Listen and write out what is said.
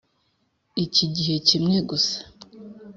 iki gihe kimwe gusa.